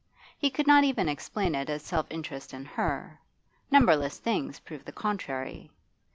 He could not even explain it as self interest in her; numberless things proved the contrary.